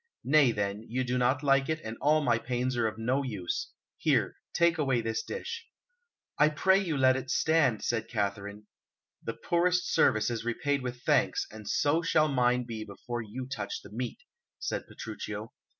Nay, then, you do not like it, and all my pains are of no use. Here, take away this dish." "I pray you let it stand," said Katharine. "The poorest service is repaid with thanks, and so shall mine be before you touch the meat," said Petruchio.